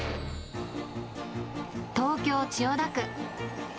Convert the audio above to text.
東京・千代田区。